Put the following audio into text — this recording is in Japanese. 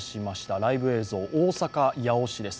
ライブ映像、大阪・八尾市です。